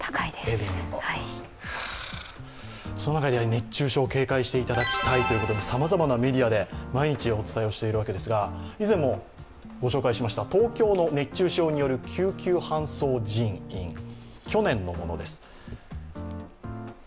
熱中症を警戒していただきたいということでさまざまなメディアで毎日お伝えしているわけですが、以前もご紹介しました東京の熱中症による救急搬送人員、去年のものです。